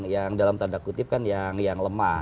yang dalam tanda kutip kan yang lemah